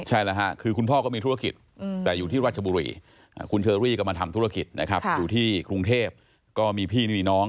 ใช่แล้วค่ะคือคุณพ่อก็มีธุรกิจแต่อยู่ที่ราชบุรีคุณเชอรี่ก็มาทำธุรกิจนะครับอยู่ที่กรุงเทพก็มีพี่นี่มีน้อง